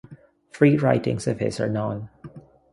Three writings of his are known.